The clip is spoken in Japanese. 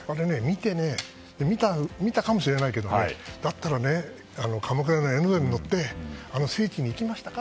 見たかもしれないけどだったら鎌倉で江ノ電に乗ってあの聖地に行きましたか？